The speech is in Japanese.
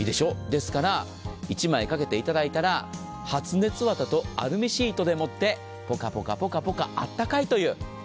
ですから１枚かけていただいたら発熱綿とアルミシートでもってポカポカあったかいという。